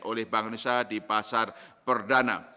oleh bank indonesia di pasar perdana